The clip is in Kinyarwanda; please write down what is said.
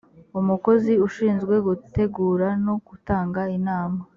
umukozi ushinzwe gutegura no gutanga inama